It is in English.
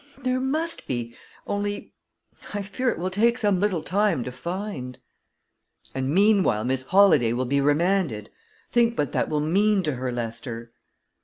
"There must be; only, I fear, it will take some little time to find." "And meanwhile, Miss Holladay will be remanded! Think what that will mean to her, Lester!"